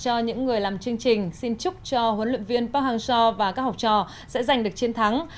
cho những người làm chương trình xin chúc cho huấn luyện viên park hang seo và các học trò sẽ giành được chiến thắng